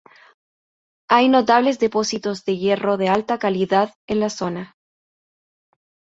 Hay notables depósitos de hierro de alta calidad en la zona.